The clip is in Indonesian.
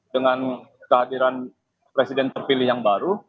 dengan kehadiran presiden terpilih yang baru